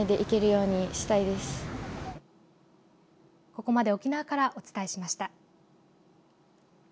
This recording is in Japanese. ここまで沖縄からお伝えしました。